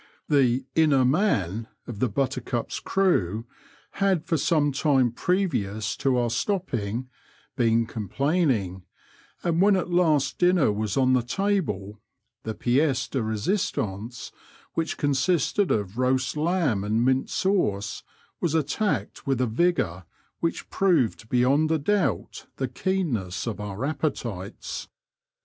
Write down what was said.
The inner man of the Buttercup's crew had for some time previous to our stopping been complaining, and when at last dinner was on the table, the piece de risistance, which consisted of roast lamb and mint sauce, was attacked with a vigour which proved beyond a doubt the keenness of our appetites.